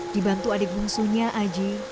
dibantu adik bungsunya aji